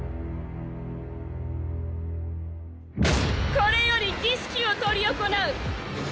これより儀式を執り行